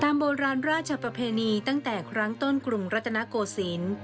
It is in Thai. โบราณราชประเพณีตั้งแต่ครั้งต้นกรุงรัตนโกศิลป์